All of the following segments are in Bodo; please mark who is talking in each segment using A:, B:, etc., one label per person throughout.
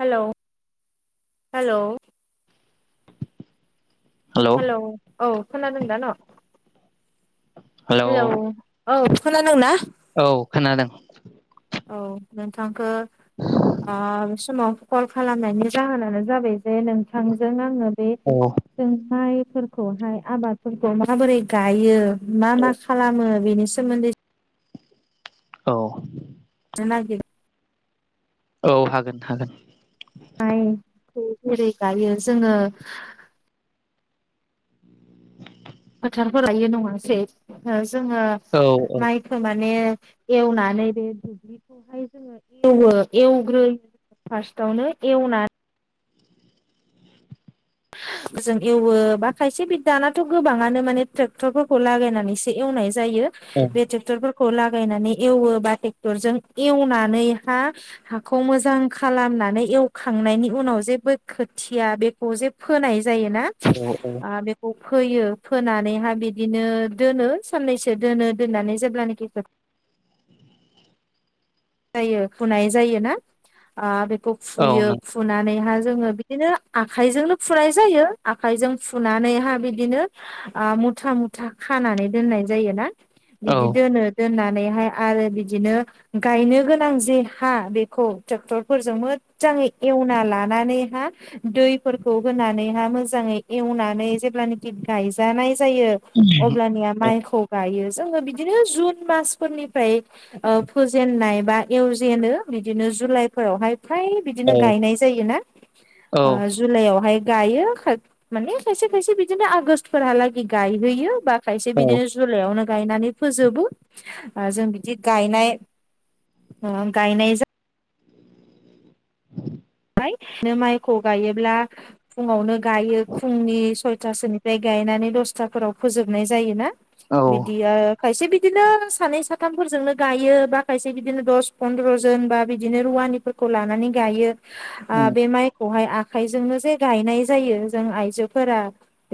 A: हेल' हेल'। हेलौ औ खोनादों दा न'? हेलौ औ खोनादों ना?
B: औ खोनादों।
A: औ नोंथांखो ओ बे समाव कल खालामनायनि जाहोनानो जाबाय जे नोंथांजों आङो बे
B: औ
A: जोंहाय फोरखौहाय आबादफोरखौ माबोरै गायो मा मा खालामो बिनि सोमोन्दै
B: औ
A: [unintelligible]
B: औ हागोन हागोन।
A: माइखो जेरै गायो जोङो फोथारफोर लायो नङासै जोङो
B: औ औ
A: माइखो माने एवनानै बे दुब्लिखौहाय जोङो एवो एवग्रोयो। फार्स्टावनो एवना जों एवो बा खायसे बि दानाथ' गोबाङानो माने ट्रेक्टरफोरखौ लागायनानैसो एवनाय जायो
B: औ
A: बे ट्रेक्टरफोर खौ लागायनानै एवो बा ट्रेक्टर जों एवनानै हा हाखौ मोजां खालाम नानै एवखांनायनि उनाव जेबो खोथिया बेखौ जे फोनाय जायो ना
B: औ
A: ओ बेखौ फोयो फोनानैहाय बिदिनो दोनो साननैसो दोनो दोननानै जेब्लानाखि खो [inaudible] जायो फुनाय जायो ना ओ बेखौ
B: औ
A: फुयो
B: नों
A: फुनानैहा जोङो बिदिनो आखाइ जोंनो फुनाय जायो आखाइजों फुनानैहा बिदिनो ओ मुथा मुथा खानानै दोननाय जायोना?
B: औ
A: बिदि दोनो दोननानैहाय आरो बिदिनो गायनो गोनां जे हा बेखौ ट्रेक्टरफोरजों मोजाङै एवना लानानै हा दैफोरखौ होनानैहा मोजाङै एवनानै जेब्लानाखि गायजानाय जायो अब्लानिया माइखौ गायो जोङो बिदिनो जुन मासफोरनि फ्राय ओ फोजेननाय बा एवजेनो बिदिनो जुलाइफोरावहाय फ्राय
B: औ
A: बिदिनो गायनाय जायोना ओ जुलाइआवहाय गायो खाय माने खायसे खायसे बिदिनो आगस्टफोरहा लागै गायहैयो बा खायसे बिदिनो जुलाइयावनो गायनानै फोजोबो जों बिदि गायनाय अ गायनाय जा नो माइखौ गायोब्ला फुंआव नो गायो फुंनि सयथ था सोनिफ्राय गायनानै दसथाफोराव फोजोबनाय जायोना
B: औ
A: बिदिया खायसे बिदिनो सानै साथामफोरजोंनो गायो बा खायसे बिदिनो दस फन्द्र' जन बा बिदिनो रुवा वानिफोरखौ लानानै गायो बे माइखौहाय आखाइजोंनो जे गायनाय जायो जों आइजोफोरा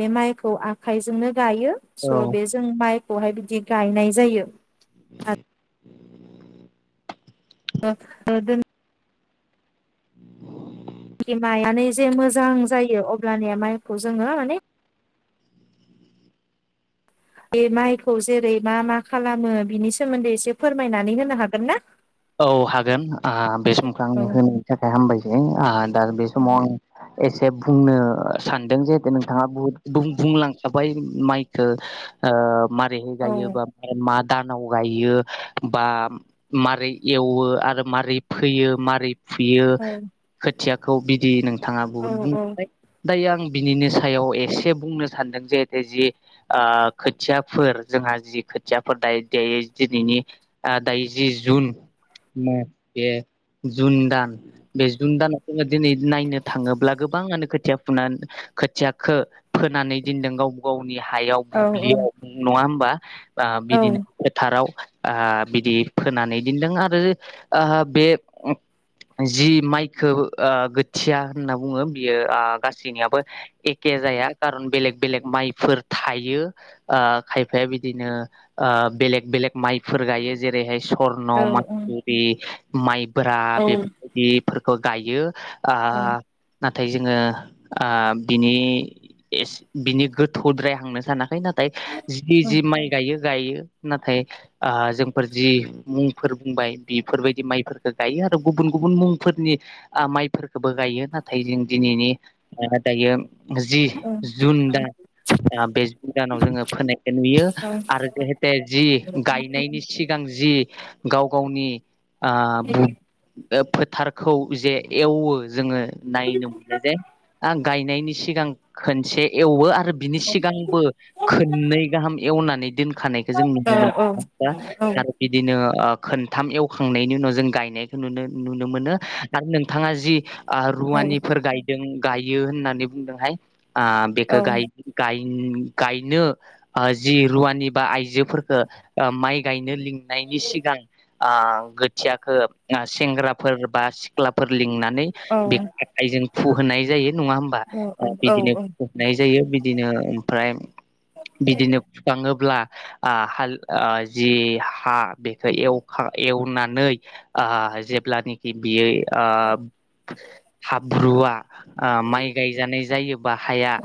A: बे माइखौ आखाइजोंनो गायो
B: औ
A: स' बे जों माइखौहाय बिदि गायनाय जायो आरो [unintelligible] माइआानो जे मोजां जायो अब्लानिया माइखौ जोङो माने बे माइखौ जेरै मा मा खालामो बिनि सोमोन्दै एसे फोरमायनानै होनो हागोन ना
B: औ हागोन बे समखौ
A: औ
B: आंनो होनायनि थाखाय हामबायसै दा बे समाव आं एसे बुंनो सानदों जेहेथु नोंथाङा बहुत बुंलां खाबाय माइखौ माबारैहाय
A: औ
B: गायो बा मा दानाव गायो बा मारै एवो आरो माबारै फोयो मारै फुयो खोथियाखौ बिदि नों नोंथाङा
A: औ
B: बुहुत बुंलांबाय दायो आं बिनिनि सायाव एसे बुंनो सानदों जिहेतु जि खोथियाफोर जोंहा जि खोथियाफोर दायो दिनैनि दायो जि जुन म बे जुन दान बे जुन दान दिनै नायनो थाङोब्ला गोबाङानो खोथिया फुनानै खोथियाखौ फोनानै दोनदों गावबा गाव नि हायाव
A: औ
B: दुब्लियाव नङा होमबा
A: औ
B: बिदिनो फोथाराव बिदि फोनानै दोनदों आरो आरो बे जि माइखौ खोथिया होनना बुङो बियो गासैनियाबो एखे एखे जाया कारन बेलेग बेलेग माइफोर थायो खायफाया बिदिनो बेलेग बेलेग माइफोर गायो जेरैहाय सर्न माय माइब्रा
A: औ
B: बेफोर बायदिफोरखौ गायो नाथाय जोङो बिनि बिनि गोथौद्राय थांनो सानाखै नाथाय जि जि माइ गायो गायो नाथाय जोंफोर जि मुंफोर बेफोरबायदि माइफोरखौ गायो आरो गुबुन गुबुन मुंफोरनि माइफोरखौबो गायो नाथाय जों दिनैनि ओह दायो जि जुन दा ओ बे गोदानाव जोङो फोनायखौ नुयो आरो जेहेते जि गायनायनि सिगां जि गाव गावनि आह बुद फोथारखौ जे एवो जोङो। नायनो मोनो जे आं गायनायनि सिगां खोनसे एवो आरो बिनि सिगांबो खोननै गाहाम एवनानै दोन खानायखौ जों नुनो मोनो दारो बिदिनो ओ खोनथाम एवखांनायनि उनाव जों गायनायखौ नुनो नुनो मोनो आरो नोंथाङा जि आह रुवानिफोर गायदों गायो होननानै बुंदोंहाय आह
A: औ
B: बेखो गाय गाय ओं गायनो आ जि रुवानि बा आइजोफोरखौ ओ माइ गायनो लिं नायनि सिगां आ गोथियाखो सेंग्राफोर बा सिख्ला फोर लिंनानै
A: औ
B: बेख आखाइजों फुहोनाय जायो नङा होमबा
A: औ
B: ओ
A: औ
B: बिदिनो फुनाय जायो बिदिनो ओमफ्राय बिदिनो फुखाङोब्ला आह हाल आह जि हा बेखो एव खा एवनानै आह जेब्लानिखि बियो ओ हाब्रुवा आह माइ गायजानाय जायोबा हाया
A: औ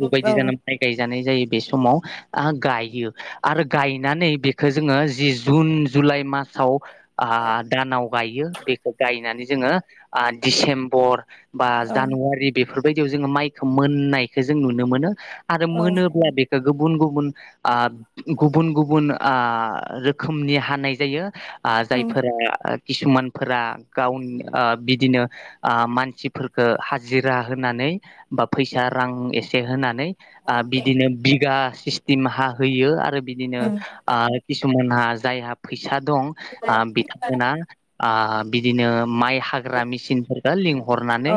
B: बेबायदि जाना माइ गायजानाय जायो बे समाव आह गायो आरो गायनानै बेखो जोङो जि जुन जुलाइ मास साव आह दानाव गायो बेखो गायनानै जोङो आ दिसेम्बर बा जानुवारि बे बेफोरबायदियाव जोङो माइखो मोननायखो जों नुनो मोनो आरो
A: औ
B: मोनोब्ला बेखो गुबुन गुबुन आह गुबुन गुबुन आह रोखोमनि हानाय जायो। आ जायफोरा किसुमानफोरा गावनि ओह बिदिनो मानसिफोरखो हाजिरा होनानै बा फैसा रां एसे होनानै आह बिदिनो बिगा सिस्तिम हा होयो आरो बिदिनो आ इस मोनहा जायहा फैसा दं आ बिथांमोनहा आ बिदिनो माइ हाग्रा मेसिनफोरखौ
A: औ
B: लिंहरनानै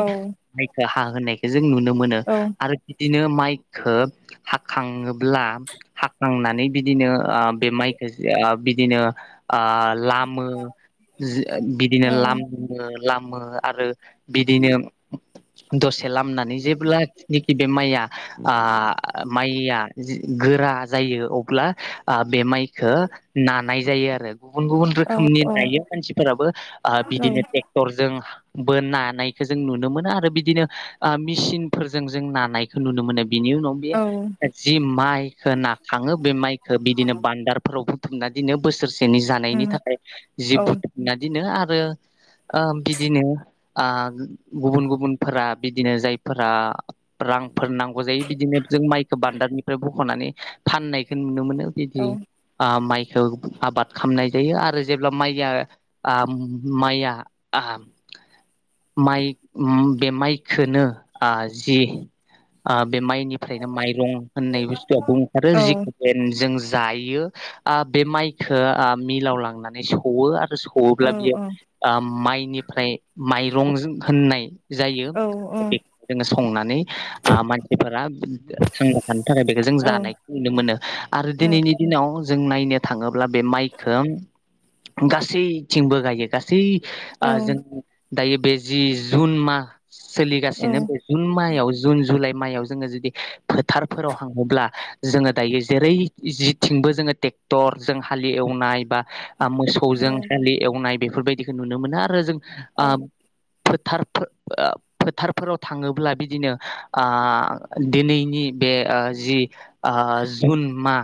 B: माइखो हा होनायखो जों नुनो मोनो आरो दिनो माइखो हाखाङोब्ला हाखांनानै बिदिनो ओह बे माइ जा ओ बिदिनो ओह लामो बिजि बिदिनो लामो लामो आरो बिदिनो दसे लामनानै जेब्लानिखि बे माइया आ माइया जि गोरा जायो अब्ला ओ बे माइखो नानाय जायो आरो। गुबुन गुबुन रोखोमनि नायो मानसिफोराबो ओ बिदिनो टेक्टरजों बो नानायखौ जों नुनो मोनो आरो बिदिनो ओ मेसिनफोरजों जों नानायखो नुनो मोनो। बिनि उनाव बे जि माइखो नाखाङो बे माइखो बिदिनो बान्दारफोरावबो थुमना दोनो बोसोरसेनि जानायनि थाखाय जि बुथुमना दोनो आरो ओ बिदिनो ओ गुबुन गुबुनफोरा बिदिनो जायफोरा रा रांफोर नांगौ जायो बिदिनो जों माइखो बान्दाबनिफ्राय बख'नानै फाननायखौ नुनो मोनो। बिदि आ माइखो आबाद खामनाय जायो आरो जेब्ला माइया आ माइया आह माइ बे माइखोनो आह जि आ बे माइनिफ्रायनो माइरं होननाय बुस्थुआ बुं थारो [unintelligible] जों जायो आ बे माइखो आ मिलाव लांनानै सौवो आरो सौवोब्ला बियो ओ माइनिफ्राय माइरं होननाय जायो।
A: औ
B: बेखोनो संनानै ओ मानसिफोरा थांना थानो थाखाय बेखो जों जानायखो नुनो मोनो आरो दिनैनि दिनाव जों नायनो थाङोब्ला बे माइखो गासैथिंबो गायो गासै थि ओ जों दायो बे जि जुन माह सोलिगासिनो बे जुन मायाव जुन जुलाइ मायाव जोङो जुदि फोथारफोराव हाङोब्ला जोङो दायो जेरै जिथिंबो जोङो टेक्टर जों हालि एवनाय बा मोसौजों हालि एवनाय बेफोरबायदिखौ नुनो मोनो आरो जों ओ फोथार फोथ ओ फोथारफोराव थाङोब्ला बिदिनो ओ दिनैनि बे ओ जि ओ जुन मा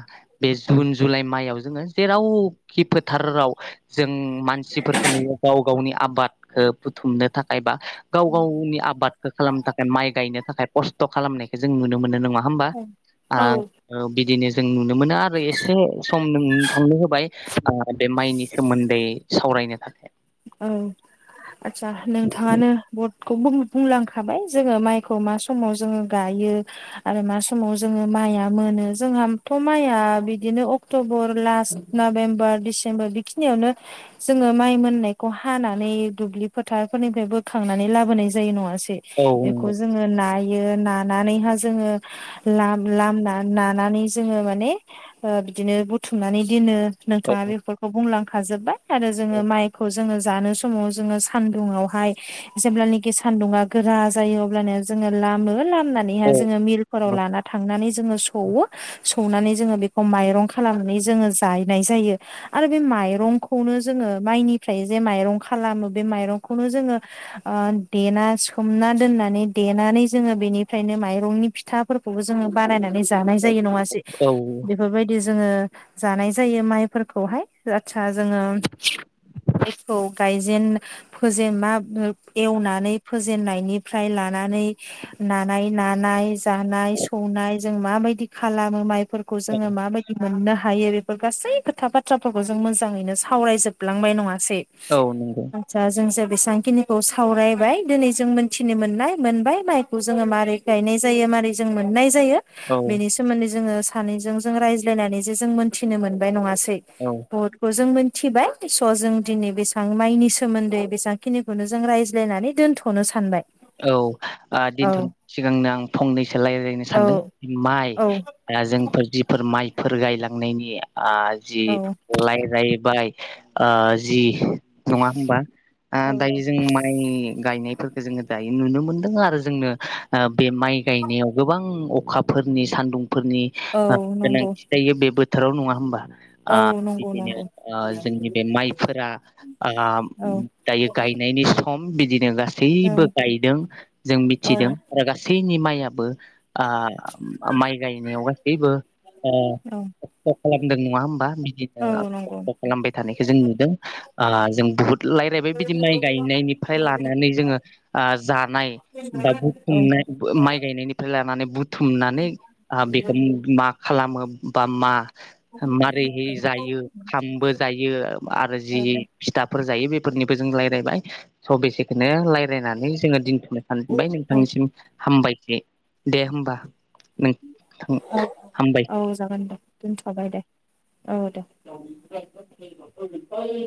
B: बे जुन जुलाइ मायाव जोङो जेरावखि फोथाराव जों मानसिफोरखौ नुयो गाव गावनि आबाद ओ बुथुमनो थाखाय बा गाव गावनि आबादखौ खालामनो थाखाय माइ गायनो थाखाय। खस्थ' खालामनायखो जों नुनो मोनो नङा होमबा आ औ बिदिनो। जों नुनो मोनो आरो एसे सम नोंथांनो होबाय ओ बे माइनि सोमोन्दै सावरायनो थाखाय
A: औ आदसा नोंथाङानो बहद खौ बुंलांखाबाय जोङो माइखौ मा समाव जोङो गायो आरो मा समाव जोङो मा माइया मोनो जोंहाथ' माइआ बिदिनो अक्ट'बर लास नबेम्बर दिसेम्बर बिखिनियावनो जोङो माइ मोननाय खौ हानानै दुब्लि फोथारफोरनिफ्राय बोखांनानै लाबोनाय जायो नङा सै।
B: औ
A: बेखौ
B: नंगौ
A: जोङो नाय यो नानानै हा जोङो लाम लामना नानानै जोङो माने ओ बिदिनो बुथुमनानै दिनो
B: औ
A: नोंथाङा बेफोरखौ बुंलांखाजोबबाय आरो जोङो
B: औ
A: माइ जोङो जानो समाव जोङो सानदुंआवहाय जेब्लानिकि सानदुुंआ गोरा जायो अब्लानिया जों लामो लामनानैहाय
B: औ
A: जोङो मिलफोराव लाना थांनानै जोङो सौवो सौनानै जोङो बेखौ माइरं खालामनानै जोङो जायनाय जायो आरो बे माइरंखौनो जोङो ओ माइनि फ्राय जे माइरं खालामो बे माइरंखौनो जोङो ओ देना सोमना दोननानै दे नानै जोङो बेनिफ्रायनो माइरंनि फिथाफोरखौबो जोङो बानायना नै जानाय
B: औ
A: जायो नङा सै
B: औ
A: बेफोरबायदि जोङो जानाय जायो माइफोरखौहाय आतसा जोङो माइखौ गायजेन फोजेन मा एवनानै फोजेननायनिफ्राय ला लानानै नानाय नानाय जानाय सौनाय जों माबादि खालामो [unintelligible] फोरखौ जोङो माबायदि मोननो हायो बेफोर गासै खोथा बाथ्राफोरखौ जों मोजाङैनो सावरायजोब लांबाय नङासै
B: औ नंगौ
A: [unintelligible] जों जे बेसेबांखिनिखौ सावरायबाय दिनै जों मोनथिनो मोननाय मोनबाय माइखौ जोङो माबारै गायनाय जायो मारै जों मोननाय जायो
B: औ
A: बेनि सोमोन्दै जोङो सानैजों जों रायज्लायनानैसो जों मोनथिनो मोनबाय नङास
B: औ
A: बहुतखौ जों मोनथिबाय। स' जों दिनै बेसां माइनि सोमोन्दै बेसांखिनिखौनो जों रायज्लायनानै दोन्थ'नो सानबाय।
B: औ आ
A: औ
B: दिनथ'नो सिगांनो आं फंनैसो रायलायनो
A: औ
B: सानदों माइ
A: औ
B: या जोंफोर जिफोर माइ फोर गायलांनायनि आ जि
A: औ
B: रायलायबाय ओ जि नङा होमबा आ दायो
A: औ
B: जों माइ गायनायफोरखौ जोङो दायो नुनो मोनदों आरो जोंनो आ बे माइ गायनायाव गोबां अखाफोरनि सान्दुं फोरनि
A: औ नंगौ
B: गोनांथि जायो बे बोथोराव नङा होमबा
A: औ
B: आ
A: नंगौ
B: बिदिनो
A: नंगौ
B: ओ जोंनि बे माइफोरा आ
A: औ
B: दायो गाय नायनि सम बिदिनो
A: औ
B: गासैबो गायदों जों
A: औ
B: मिथिदों आरो गासै नि माइयाबो आ माइ गायनायाव गासैबो ओ
A: औ
B: खस्थ' खालामदों नङा होमबा बिदिनो
A: औ नंगौ
B: खस्थ' खालामबाय थानायखौ जों नुदों आ जों बुहुद रायलायबाय बिदि माइ गायनाय निफ्राय लानानै जोङो ओ जानाय बा
A: औ
B: बुथुमनाय माइ गायनायनिफ्राय लानानै बुथुमनानै आ बेदों मा खालामो बा मा मारैहै जायो खामबो जायो आरो जि
A: औ
B: फिथाफोर जायो बेफोरनिबो जों लायरायबाय स' बेसेखोनो लाय रायलायनानै जोङो दिन्थ'नो सानबाय
A: औ
B: नोंथांनिसिम हामबायसै दे होमबा। नों थां हामबाय
A: औ जागोन दे दोनथ'बाय दे औ दे